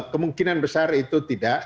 kemungkinan besar itu tidak